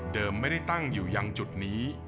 เดิมไม่ได้ตั้งอยู่อย่างจุดนี้